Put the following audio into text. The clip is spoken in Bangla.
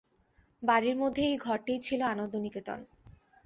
বাড়ির মধ্যে এই ঘরটিই ছিল আনন্দনিকেতন।